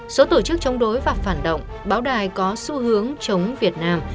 số tổ chức chống đối và phản động báo đài có xu hướng chống việt nam